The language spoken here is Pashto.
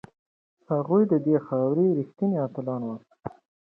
هغوی د دې خاورې ریښتیني اتلان وو.